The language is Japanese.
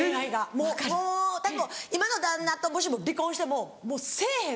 もうたぶん今の旦那ともしも離婚してももうせぇへん。